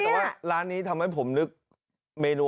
พี่บันไม่ได้ถามเพราะว่า